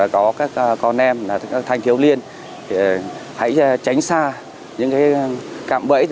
có các con em thành thiếu liên hãy tránh xa những cái cám bẫy